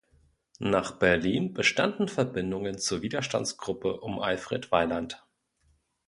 Nach Berlin bestanden Verbindungen zur Widerstandsgruppe um Alfred Weiland.